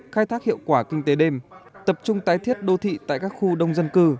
khai thác hiệu quả kinh tế đêm tập trung tái thiết đô thị tại các khu đông dân cư